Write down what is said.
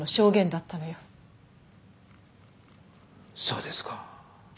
そうですか。